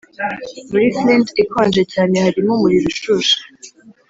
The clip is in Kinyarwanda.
muri flint ikonje cyane harimo umuriro ushushe